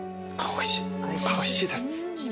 おいしいです。